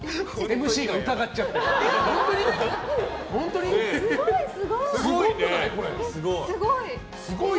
ＭＣが疑っちゃう。